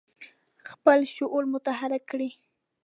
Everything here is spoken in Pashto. خپل شعور متحرک کړي.